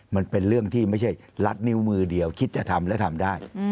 มันเป็นเรื่องที่ไม่ใช่รัดนิ้วมือเดียวคิดจะทำและทำได้